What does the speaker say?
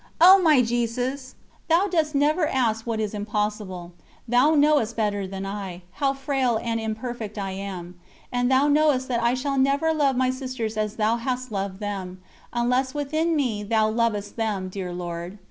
O my Jesus! Thou does never ask what is impossible; Thou knowest better than I, how frail and imperfect I am, and Thou knowest that I shall never love my Sisters as Thou hast loved them, unless within me Thou lovest them, dear Lord!